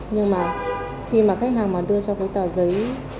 nhưng mà khi mà khách hàng mà đưa cho cái tờ giấy